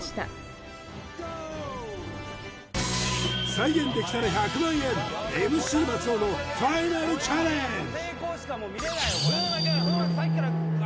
再現できたら１００万円ＭＣ・松尾のファイナルチャレンジ